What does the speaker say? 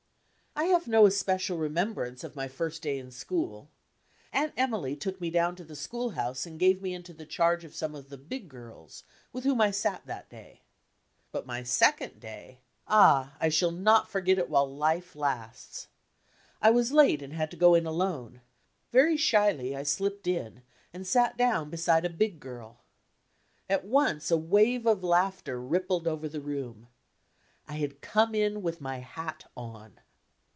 I have no especial remembrance of my first day in school. Aunt Emily took me down to the school house and gave me into the charge of some of the "big girls," with whom I sat that day. But my second day ah! I shall not forget it while life lasts. I was late and had to go in alone. Very shyly I slipped in and sat down beside a "big girl." At once a wave of laughter rippled over the room. / had come in with my bat on.